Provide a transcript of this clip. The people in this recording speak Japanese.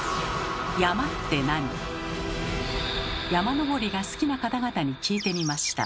山登りが好きな方々に聞いてみました。